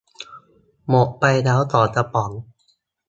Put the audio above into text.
หมดไปแล้วสองกระป๋อง